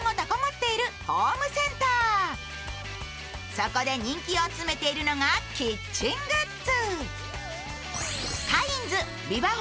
そこで人気を集めているのがキッチングッズ。